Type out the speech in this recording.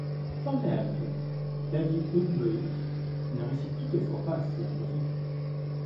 Formé à Lyon, David Hellebuyck ne réussit toutefois pas à s'y imposer.